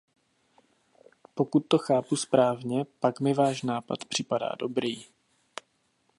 Pokud to chápu správně, pak mi váš nápad připadá dobrý.